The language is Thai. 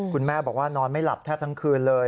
คุณแม่บอกว่านอนไม่หลับแทบทั้งคืนเลย